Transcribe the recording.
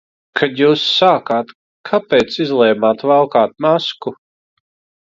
Kad Jūs sākāt, kāpēc izlēmāt valkāt masku?